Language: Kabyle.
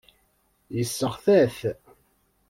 Yesseɣta-t.